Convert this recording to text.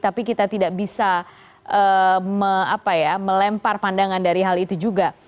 tapi kita tidak bisa melempar pandangan dari hal itu juga